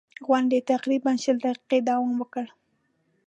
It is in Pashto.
غونډې تقریباً شل دقیقې دوام وکړ.